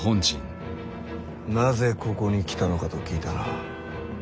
なぜここに来たのかと聞いたな。